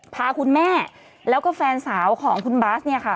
พาคุณแม่แล้วก็แฟนสาวของคุณบัสเนี่ยค่ะ